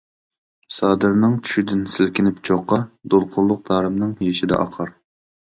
سادىرنىڭ چۈشىدىن سىلكىنىپ چوققا، دولقۇنلۇق تارىمنىڭ يېشىدا ئاقار.